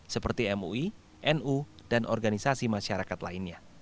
seperti mui nu dan organisasi masyarakat lainnya